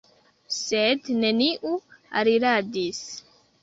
Sed neniu aliradis.